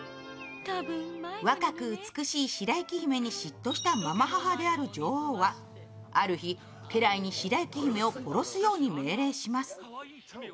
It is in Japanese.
若く美しい白雪姫に嫉妬したまま母である女王はある日、家来に白雪姫を殺すように命令します。